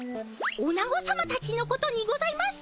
オナゴさまたちのことにございます。